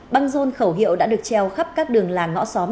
băng rôn khẩu hiệu đã được treo khắp các đường làng ngõ xóm